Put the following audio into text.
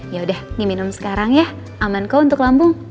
ya udah diminum sekarang ya aman kok untuk lambung